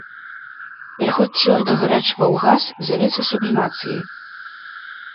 Пераход цвёрдага рэчыва ў газ завецца сублімацыяй.